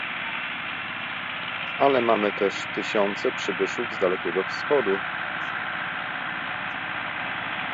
Ale mamy też tysiące przybyszów z Dalekiego Wschodu